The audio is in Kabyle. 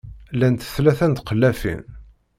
Llant tlata n tqeffalin.